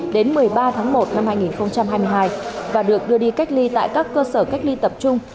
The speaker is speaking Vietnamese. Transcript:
đến một mươi ba tháng một năm hai nghìn hai mươi hai và được đưa đi cách ly tại các cơ sở cách ly tập trung ở trung quốc